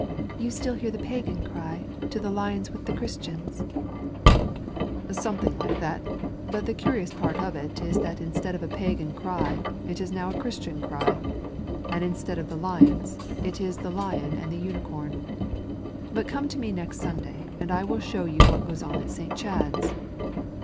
"You still hear the Pagan cry, ' To the lions with the Christiana,' " "Something like it; bat the curious part of it is that instead of a Pagan cry, it is now a Christian cry, and instead of the lions, it is the lion and the nnicom. Bat come to me next Sunday and I will show yoa what goes on at St, Chad's."